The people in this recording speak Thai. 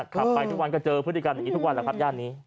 ขับไปทุกวันก็เจอพฤติกรรมอย่างนี้ทุกวันแหละครับย่านนี้